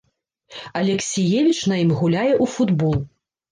Алексіевіч на ім гуляе ў футбол.